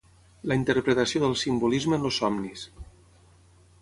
La interpretació del simbolisme en els somnis